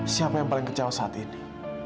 siapa yang paling kecewa saat ini